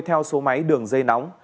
theo số máy đường dây nóng